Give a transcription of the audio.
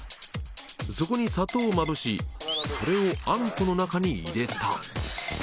そこに砂糖をまぶしそれを餡子の中に入れた。